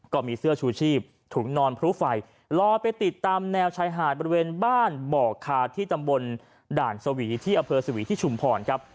ก็มีเสื้อชูชีพถุงนอนพลุไฟลอยไปติดตามแนวชายหาดบริเวณบ้านบ่อคาที่ตำบลด่านสวีที่อำเภอสวีที่ชุมพรครับ